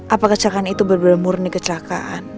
apa kecelakaan itu bener bener murni kecelakaan